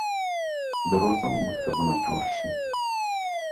د روزلو مکتبونه جوړ شي.